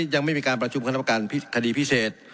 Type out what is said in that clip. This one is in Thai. ยังไม่มีการประชุมคณะประการคดีพิเศษ